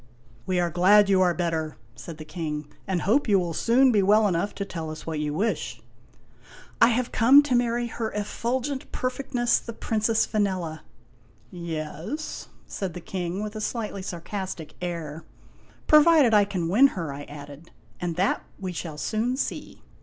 " We are glad you are better," said the King, " and hope you will soon be well enough to tell us what you wish." " I have come to marry Her Effulgent Perfectness the Princess Vanella !"" Yes ?" said the King, with a slightly sarcastic air. " Provided I can win her," I added. " And that we shall soon see."